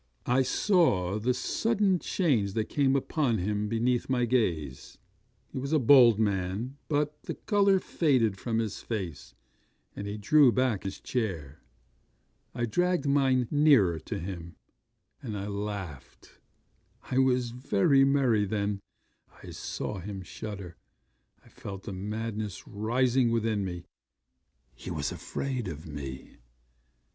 'I saw the sudden change that came upon him beneath my gaze. He was a bold man, but the colour faded from his face, and he drew back his chair. I dragged mine nearer to him; and I laughed I was very merry then I saw him shudder. I felt the madness rising within me. He was afraid of me.